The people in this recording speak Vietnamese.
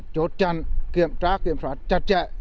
chốt chăn kiểm tra kiểm soát chặt chẽ